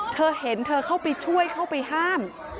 เธอเห็นเธอเข้าไปช่วยเข้าไปห้าม